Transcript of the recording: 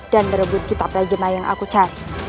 dan merebut kitab rajema yang aku cari